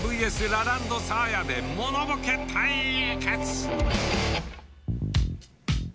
ラランドサーヤでものボケ対決。